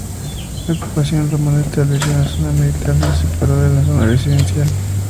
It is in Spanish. La ocupación romana estableció una zona militar que se separó de la zona residencial.